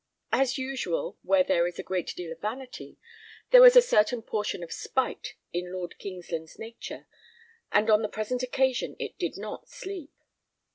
As usual, where there is a great deal of vanity, there was a certain portion of spite in Lord Kingsland's nature; and on the present occasion it did not sleep.